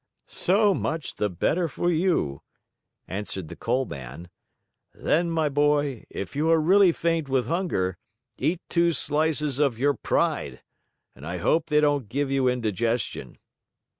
"So much the better for you!" answered the Coal Man. "Then, my boy, if you are really faint with hunger, eat two slices of your pride; and I hope they don't give you indigestion."